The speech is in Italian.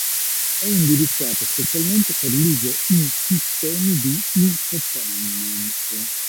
È indirizzata specialmente per l'uso in sistemi di infotainment.